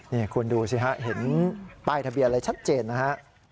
นี่คุณดูสิฮะเห็นป้ายทะเบียนอะไรชัดเจนนะฮะ